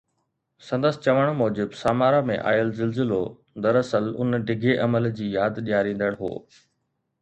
سندس چوڻ موجب سامارا ۾ آيل زلزلو دراصل ان ڊگهي عمل جي ياد ڏياريندڙ هو